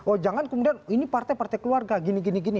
oh jangan kemudian ini partai partai keluarga gini gini